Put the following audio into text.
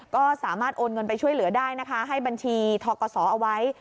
ก็สามารถโอนเงินไปช่วยเหลือได้นะคะให้บัญชีทกศเอาไว้